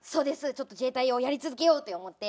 ちょっと自衛隊をやり続けようって思って。